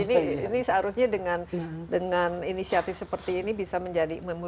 ini seharusnya dengan inisiatif seperti ini bisa menjadi